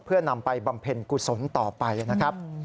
เพื่อนำไปบำเพ็ญกุศลต่อไปนะครับ